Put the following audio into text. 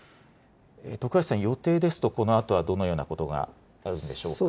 徳橋さん、予定ですとこのあとはどのようなことがあるんでしょうか。